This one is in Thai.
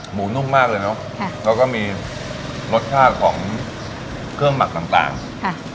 นุ่มมากเลยเนอะค่ะแล้วก็มีรสชาติของเครื่องหมักต่างต่างค่ะ